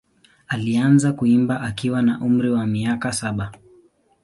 Alianza kuimba akiwa na umri wa miaka saba.